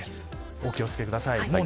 お気を付けください。